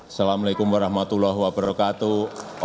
assalamu'alaikum warahmatullahi wabarakatuh